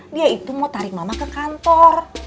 dia itu mau tarik mama ke kantor